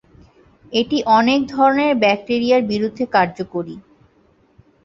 এটি অনেক ধরনের ব্যাকটেরিয়ার বিরুদ্ধে কার্যকরী।